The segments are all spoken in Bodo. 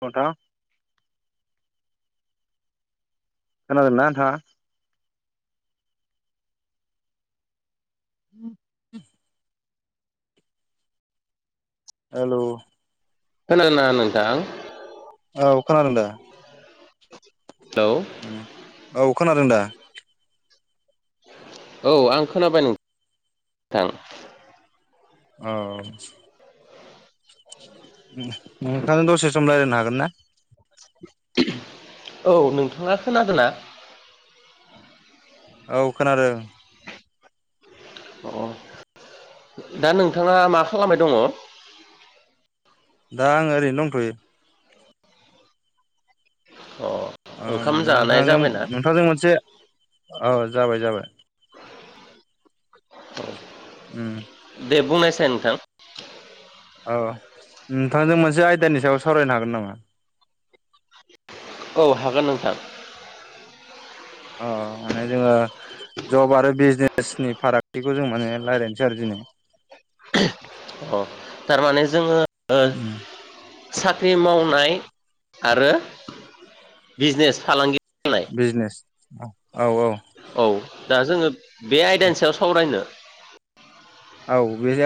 [unintelligible] थां खोनादों ना नोंथाङा उम [unintelligible] हेल' खोनादों ना नोथां? औ खोनादों दा हेलौ [unintelligible] औ खोनादों दा औ आं खोनाबाय नों थां औ औ [unintelligible] [unintelligible] नोंथां दसे सम रायलायनो हागोन ना औ नोंथाङा खोनादो ना औ खोनादों अ दा नोंथाङा मा खालामबाय दङ? दा आंङो ओरैनो दंथ'यो। उम ओंखाम जानाय नोंथाजों जाबायना नोंथांजों मोनसे ओ जाबाय जाबाय उम दे बुंनायसाय नोंथां औ नोंथांजों मोनसे आयदानि सायाव सावरायनो हागोन नामा? औ हागोन नोंथां। अ माने जोङो जब आरो बिजनेसनि फारागथिखौ जों माने रायज्लायनोसै आरो दिनै अ थारमाने जोङो ओ उम साख्रि मावनाय आरो बिजनेस फालांगि खालामनाय बिजनेस औ औ औ दा जोङो बे आयदानि सायाव सावरायनो औ बे [unintelligible]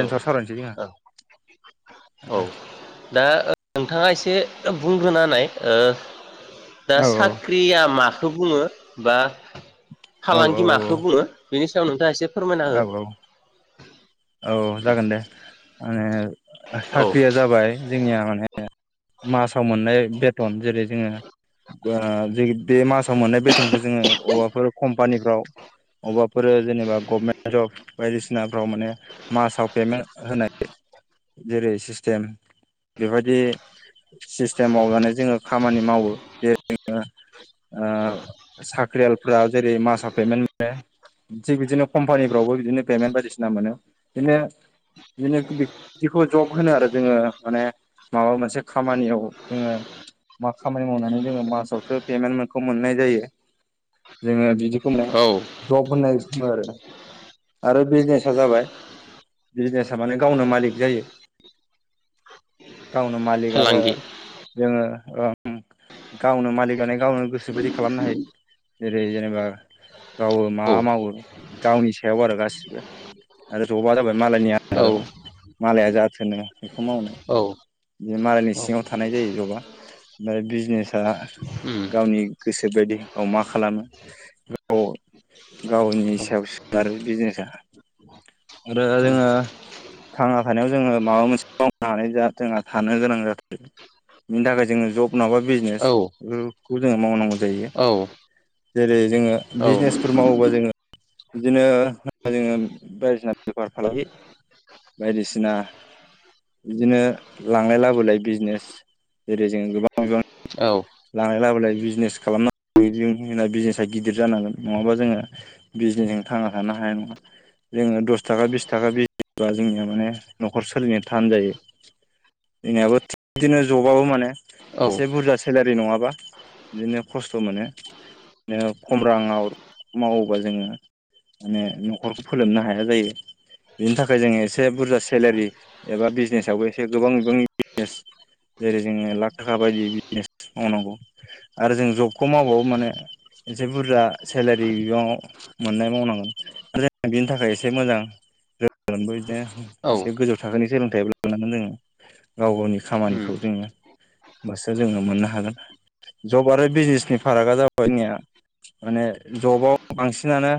औ सायाव सावरायनोसै औ जोंहा ओ दा नोंथाङा एसे बुंग्रोनानाय ओ दा औ साख्रिया मखौ बुङो बा औ औ फालांगि माखौ बुङो बेनि सायाव नोंथाङा एसे फोरमायना औ हो औ जागोन दे ए माने औ साख्रिया जाबाय जोंनिया माने मासाव मोननाय बेथन जेरै जोङो बा बे मासाव मोननाय बेथनखौ जोङो अबाफोर कम्पानिफ्राव अबाफोर जेनेबा गभमेन्ट जब बायदिसिनाफ्राव माने मासाव पेमेन्ट होनाय जेरै सिस्टेम बेबायदि सिस्टेमाव माने जोङो खामानि मावो जेरै जोङो ओ साख्रियालफ्रा जेरै मासाव पेमेन्ट मोनो थिग बिदिनो कम्पानिफ्रावबो बिदिनो पेमेन्ट बायदिसिना मोनो बिदिनो बिदिनो बिदिखौ जब होनो आरो जोङो माने माबा मोनसे खामानियाव जोङो मा खामानि मावनानै जोङो मासावसो पेमेन्टखौ मोननाय जायो जोङो बिदि जब औ होननाय आरो आरो बिजनेसा जाबाय बिजनेसा माने गावनो मालिक जायो। गावनो मालिक आरो फालांगि जोङो ओ गावनो मालिकआानो गावनो गोसो बायदि खालामनो हायो। जेरै जेनेबा गावो मा औ मावो गावनि सायाव आरो गासिबो आरो जबा जाबाय मालायनि औ आन्दाराव मालाया जाथोनो बेखौ मावो औ बे मालायनि औ सिङाव थानाय जायो जबआ ओमफ्राय बिजनेसा उम गावनि गोसो बायदि गाव मा खालामो गाव [inaudible] गावनि उम सायाव सोनारो बिजनेसा आरो जोङो थांना थानायाव जोङो माबा मोनसे मावनानै जोंहा थानो गोनां जाथारो। बिनि थाखाय जोङो जब नङाबा बिजनेस औ बेफोरखौ जोङो मावनांगौ जायो। औ जेरै जोङो औ बिजनेसफोर मावोबा जोङो बिदिनो जोङो बायदिसिना बेफार फालांगि बायदिसिना बिदिनो लांलाय लाबोलाय बिजनेस। जेरै जों गोबां गोबां लांलाय लाबोलाय बिजनेस खालामनांगौ होनना बिजनेसा गिदिर जानांगोन नङाबा जोङो बिजनेसजों थांनो हानो हाया नङा। जोङो दस थाखा बिस थाखा बिबा जोंनिया माने न'खर सोलिनो थान जायो। जोंनियाबो थिग बिदिनो जबाबो माने औ एसे बुरजासो सेलारि नङाबा बिदिनो खस्थ' मोनो। नो खम राङाव मावोबा जोङो माने न'खरखौ फोलोमनो हाया जायो। बिनि थाखाय जोङो एसे बुरजा सेलारि एबा बिजनेसावबो एसे गोबां बिबांनि बिजनेस जेरै- जोङो लाख थाखा बायदि बिजनेस मावनांगौ आरो जों जबखौ मावबाबो माने एसे बुरजा सेलारि बिबाङाव मोननाय मावनांगोन। आरो बिनि थाखाय एसे मोजां [unintelligible] एसे गोजौ थाखोनि सोलोंथाइबो लानांगोन जोङो। गाव गावनि उम खामानिखौ जोङो बास जोङो मोननो हागोन। जब आरो बिजनेसनि फारागा जाबाय [unintelligible] माने जबाव बांसिनानो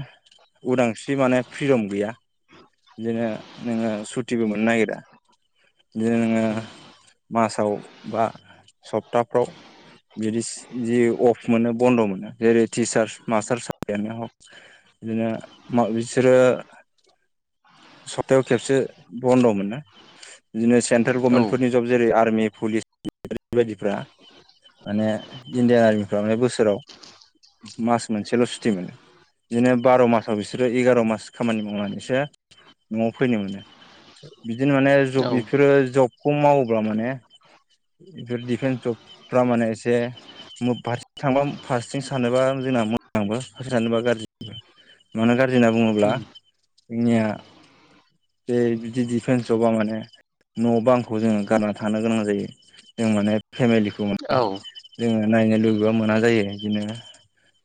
उदांस्रि माने फ्रिदम गैया। बिदिनो नोङो सुतिबो मोननो नागिरा। बिदिनो नोङो मासाव बा सप्ताफ्राव बिदिस जि अफ मोनो बन्द मोनो जेरै- टिचारस मास्टार साख्रियानो हक बिदिनो मा‌ बिसोरो सप्तायाव खेबसे बन्द मोनो बिदिनो सेन्ट्रेल गभनमेन्टफोरनि औ जब जेरै- आर्मि पुलिस [unintelligible] बायदिफ्रा माने इण्डियान आर्मिफ्रा माने बोसोराव मास मोनसेल' सुटि मोनो। बिदिनो बार' मासाव बिसोरो एगार' मास खामानि मावनानैसो न'आव फैनो मोनो। बिदिनो माने जब औ बेफोरो जबखौ मावोब्ला माने बेफोर दिफेन्स जबफोरा माने एसे [unintelligible] फारसेथिं थांबा फारसेथिं सानोबा जोंना मोजांबो फारसेथिं सानोबा गाज्रिबो माने गारज्रि होनना बुंङोब्ला उम जोंनिया बे बेदि दिफेन्स आवबा माने न' बांखौ जोङो गारनानै थानो गोनां जायो जों माने फेमिलिखौ औ [unintelligible] जोङो नायनो लुबैबाबो मोना जायो इदिनो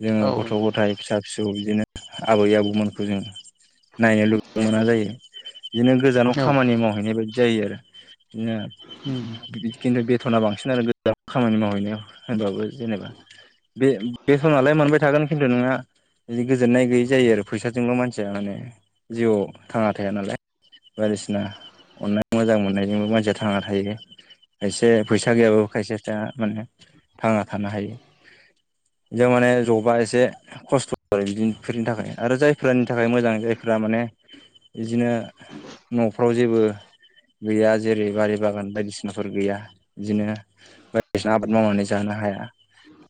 जोङो गथ' गथाइ फिसा फिसौ बिदिनो आबै आबौमोनखौ जों नायनो लुब मोना जायो इदिनो गोजानाव खामानि मावहैनाय बायदि जायो आरो इदिनो खिन्थु बेथ'ना बांसिन आरो गोजानाव खामानि मावहैनायाव होनबाबो जेनेबा बे-बेटनालाय मोनबाय थागोन खिन्थु नोंहा इदि गोजोननाय गैयै जायो आरो फैसाजोंल' मानसिया माने जिउआव थांना थाया नालाय। बायदिसिना अननाय मोजां मोननायजोंबो मानसिया थांना थायो। खायसे फैसा गैयाबाबो खायसेफ्रा माने थांना थानो हायो। इदिआव माने जबा एसे खस्थ' आरो बिदिफोरनि थाखाय आरो जायफोरनि थाखाय मोजां जायफो फ्रा माने इदिनो न'फ्राव जेबो गैया जेरै- बारि बागान बायदिसिनाफोर गैया इदिनो बायदिसिना आबाद मावनानै जानो हाया।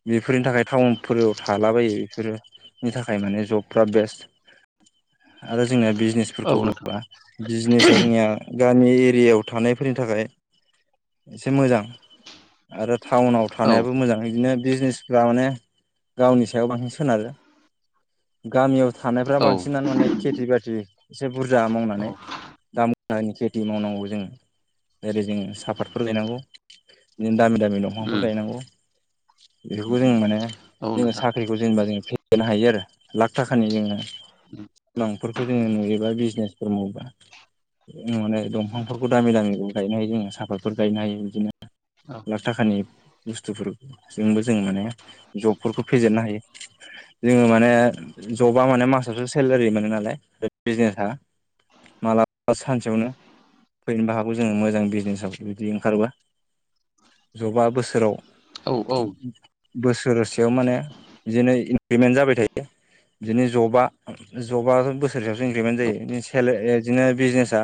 बेफोरनि थाखाय टाउनफोराव थालाबायो बेफोरनि थाखाय माने जबफ्रा बेस्ट [unintelligible] आरो जोंना बिजनेसफोरखौ बुङोब्ला बिजनेसा जोंनिया गामि एरियाआव थानायफोरनि थाखाय ए एसे मोजां। आरो टाउनाव थानायाबो मोजां इदिनो बिजनेसफ्रा माने गावनि सायाव बांसिन सोनारो गामियाव थानायफ्रा औ उम औ नोंथां औ बांसिनानो माने खेथि बाथि एसे बुरजा मावनानै दाम [unintelligible] खेथि मावनांगौ जोङो ओेरै जोङो सापातफोर गायनांगौ बिदिनो दामि दामि दंफांफोर उम गायनांगौ। बेफोरखौ जों माने औ जोङो नोंथां साख्रिखौ जेनेबा जोङो [unintelligible] हायो आरो लाख थाखानि जोङो [unintelligible] लांफोरखौ जोङो नुयोबा बिजनेसफोर मावबा माने दंफांफोरखौ दामि दामिखौ गायनो हायो जोङो साफातफोर गायनो हायो इदिनो औ लाख थाखानि बुस्थुफोरजोंबो जों माने जबफोरखौ फेजेननो हायो। जोङो माने जबआ माने मासावसो सेलारि मोनो नालाय बिजनेसा माला बा सानसेयावनो फैनोबो हागौ जोङो मोजां बिजनेसाव बिदि ओंखारोबा जबा बोसोराव औ औ उम बोसोरसेयाव माने बिदिनो इपफेमेन्ट जाबाय थायो बिदिनो जबआ जबाथ' बोसोर हिसाबसो इनक्रिमेन्ट जायो बिदिनो बिजनेसा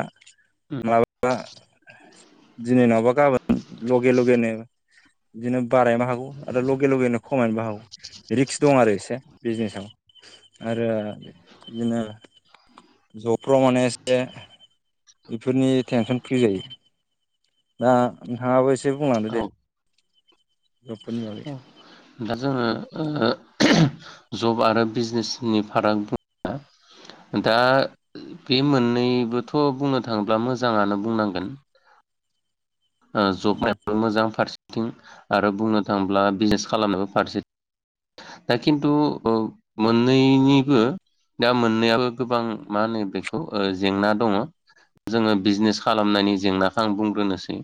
माबेबा दिनै नावबा गाबोन लगे लगेनो बिदिनो बारायनोबो हागौ आरो लगे लगेनो खमायनोबो हागौ रिक्स दं आरो एसे बिजनेसाव आरो बिदिनो जबफ्राव माने एसे बेफोरनि टेनसन फ्रि जायो दा नोंथाङाबो एसे बुंलांदो दे औ दा जोंङो जब आरो बिजनेसनि फाराग बा दा बे मोननैबोथ' बुंनो थांङोब्ला मोजांङानो बुंनांगोन जबनायो मोजां फारसे थिं आरो बुंनो थाङोब्ला बिजनेस खालामनायबो फारसे दा खिन्थु ओ मोननैनिबो दा मोननैबो गोबां मा होनो बेखौ जेंना दङ जोंङो बिजनेस खालामनायनि जेंनाखौ आं बुंग्रोनोसै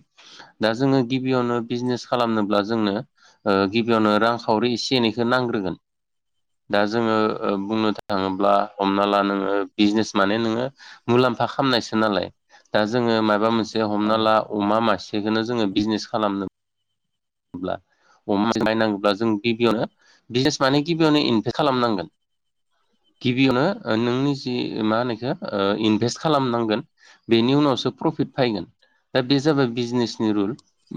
दा जोंङो गिबियावनो बिजनेस खालामनोब्ला जोंनो गिबियावनो रांखावरि एसे एनैखौ नांग्रोगोन दा जोंङो बुंनो थाङोब्ला हमना ला नोंङो बिजनेस माने नोंङो मुलामफा [unintelligible] नाल दा जोंङो मा माबा मोनसे औ हमना ला अमा मासेखौनो जोंङो बिजनेस खालामनोला अमा बायनांगौब्ला जों गिबियावनो बिसेस माने गिबियावनो इनफेक्ट खालामनांगोन गिबियावनो नोंनि जि मा होनोखौ इनभेस्ट खालामनांगोन बेनि उनाव अब्लासो फ्रफिद फैयगोन बे जाबाय बिजनेसनि रूल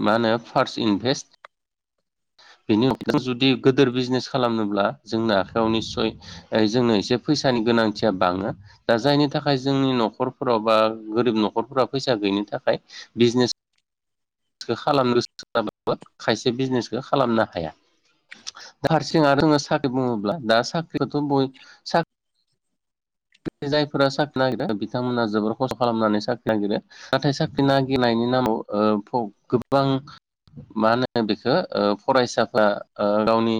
मा होनो फास्त इनभेस [inaudible] बेनि अनगायै जुदि गोदोर बिजनेस खालामनोब्ला जोंनो आखाइायाव निस्सय जोंनो एसे फैसानि गोनांथिया बांङो दा जायनि थाखाय जोंनि न'खरफोराव बा गोरिब न'खरफोरा फैसा गैनो थाखाय बिजनेस [inaudible] खौ खालामनोसो जाब खायसे बिजनेसखौ खालामनो हाया दा हारसिं आरो जोंङो साख्रि बुंङोब्ला दा साख्रिखौथ' बयबो साखि जायफोरा साख्रि नागिरो बिथांमोना जोबोर खस्थ' खालामनानै साख्रि नागिरो नाथाय साख्रि नागिरनाय नि नामाव गोबां मा होनो बेखौ फरायसाफ्रा गावनि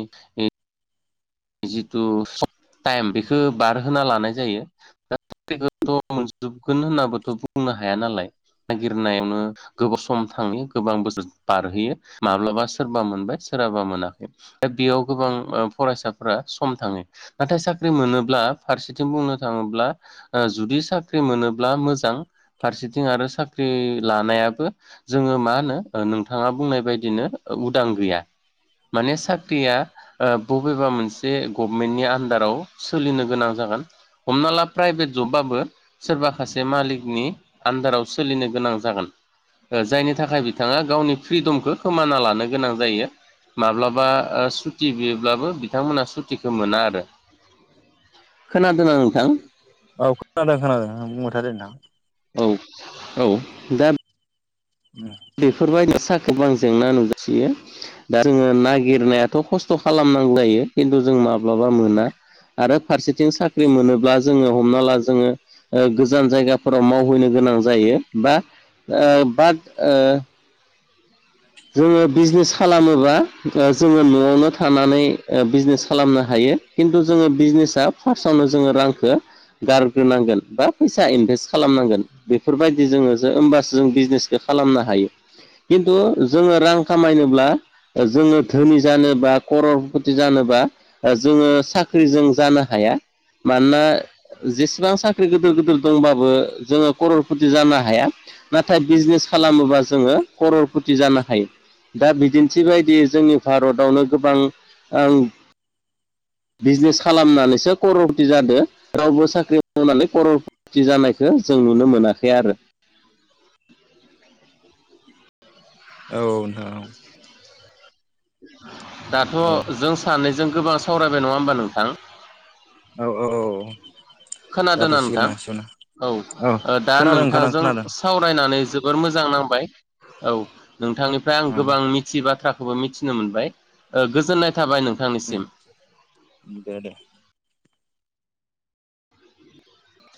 जिथु सतर्टाइम बेखौ बारहोना लानाय जायोखौथ [unintelligible] मोनजोबगोन होनाबोथ' बुंनो हाया नालाय नागिरनायावनो गोबाव सम थांङो गोबां बोसोर बारहोयो माब्लाबा सोरबा मोनबाय सोराबा मोनाखै दा बेयाव गोबां फरायसा सम थांङो नाथाय साख्रि मोनोब्ला फारसेथिं बुंनो थाङोब्ला जुदि साख्रि मोनोब्ला मोजां फारसेथिं आरो साख्रि लानायाबो जोंङो मा होनो नोंथाङा बुंनाय बदिनो उदां गैया माने साख्रिया बबेबा मोनसे जे गभमेन्टनि आन्दाराव सोलिनो गोनां जागोन हमना ला प्राइभेट जबाबबो सोरबााखासे मालिकनि आन्दाराव सोलिनो गोनां जागोन जायनि थाखाय बिथांङा गावनि फ्रिदमखौ खोमाना लानो गोनां जायो माब्लाबा सुटि बियोब्लाबो बिथांमोना सुटिखौ मोना आरो खोनादोंना नोंथां औ खोनादों खोनादों बुंबाय थारादों औ औ दा बेफोरबायदि साहाखौबो आं जेंना नुगासियो दा जोंङो नागिरनायाथ' खस्थ' खालामो नां जायो खिन्थु जों माब्लाबा मोना आरो फारसेथिं साख्रि मोनोब्ला जोंङो हमना ला जोंङो गोजान जायगाफोराव मावहैनो गोनां गोनां जायो बा ओ बाद ओ जोङो बिजनेस खालामोबा जोङो न'आवनो थानानै बिजनेस खालामनो हा यो खिनथु जोङो बिजनेस फार्स्टआवनो जोङो रांखौ गारग्रोनांगोन बा फैसा इनभेस्ट खालामनांगोन बेफोरबायदि जोङो होमबासो जों बिजनेसखौ खालामनो हायो खिन्थु जोङो रां खामायनोब्ला जोङो धोनि जानोबा खरथि जानोबा जोङो साख्रिजों जानो हाया। मानोना जेसेबां साख्रि गिदिर गिदिर दंबाबो जोङो खरलपथि जानो हाया। नाथाय बिजनेस खालामोबा जोङो खरलपथि जानो हायो। दा बिदिन्थि बायदि जोंनि भारतावनो गोबां आं [inaudible] बिजनेस खालामनानैसो खरलपथि जादों रावबो साख्रि मावनानै खरलपथि जानायखौ जों जों नुनो मोनाखै आरो [inaudible] औ नों दाथ' औ जों सानैजों गोबां सावरायबाय नङा होमबा नोंथां? औ औ खोनादोंना जाथ'सिगोन नोंथां ना एसेयावनो औ दा खोनादों खोनादों नोंथांजों सावरायनानै जोबोर मोजां नांबाय औ नोंथांनिफ्राय आं गोबां खोनादों मिथियि बाथ्रा खौ मिथिनो मोनबाय गोजोननाय थाबाय नोंथांनिसिम दे दे